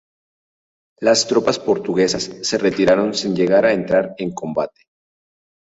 Las tropas portuguesas se retiraron sin llegar a entrar en combate.